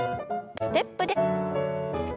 ステップです。